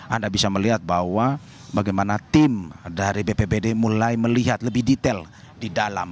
anda bisa melihat bahwa bagaimana tim dari bpbd mulai melihat lebih detail di dalam